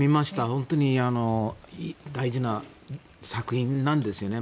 本当に大事な作品なんですよね。